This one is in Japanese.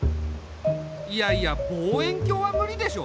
いやいや望遠鏡は無理でしょ。